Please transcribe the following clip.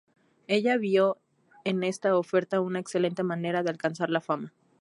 Ella vio en esta oferta una excelente manera de alcanzar la fama.